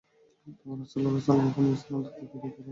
তখন রাসূল সাল্লাল্লাহু আলাইহি ওয়াসাল্লাম তাদের ফিরিয়ে দিলেন।